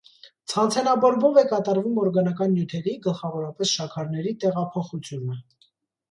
Ցանցենաբորբով է կատարվում օրգանական նյութերի (գլխավորապես շաքարների) տեղափոխությունը։